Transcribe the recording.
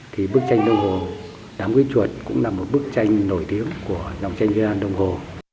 thì bức tranh đông hồ đám cưới chuột cũng là một bức tranh nổi tiếng của dòng tranh dân dân đông hồ